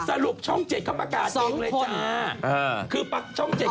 แล้วก็สองคนเออคือช่อง๗